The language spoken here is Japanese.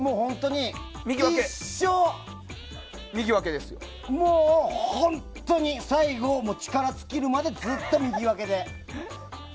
一生、本当に最後力尽きるまでずっと右分けで。